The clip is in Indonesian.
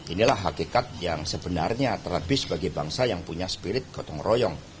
inilah hakikat yang sebenarnya terlebih sebagai bangsa yang punya spirit gotong royong